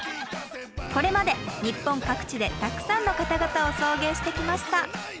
これまで日本各地でたくさんの方々を送迎してきました。